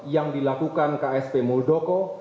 yang dilakukan ksp muldoko